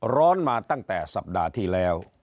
ร้อนมาตั้งแต่สัปดาห์ที่แล้ว